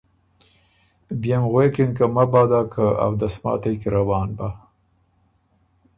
بيې م غوېکِن که مبادا که اؤدسماتئ کی روان بۀ